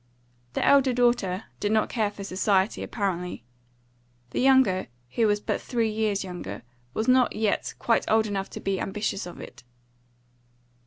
The elder daughter did not care for society, apparently. The younger, who was but three years younger, was not yet quite old enough to be ambitious of it.